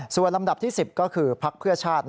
ส่วนลำดับที่๑๐ก็คือพักเพื่อชาติ